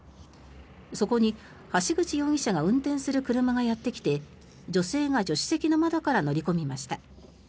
そこに橋口容疑者が運転する車がやってきて女性が助手席の窓から乗り込みました。